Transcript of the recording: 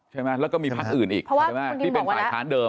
ใช่ไหมแล้วก็มีภาคอื่นอีกที่เป็นฝ่ายค้านเดิม